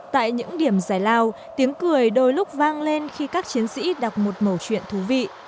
tại những điểm giải lao tiếng cười đôi lúc vang lên khi các chiến sĩ đọc một chuyện thú vị